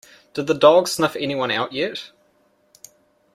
Did the dog sniff anyone out yet?